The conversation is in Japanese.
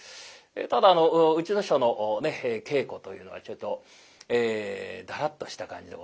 ただあのうちの師匠の稽古というのはちょいとだらっとした感じでございまして。